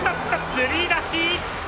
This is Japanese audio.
つり出し！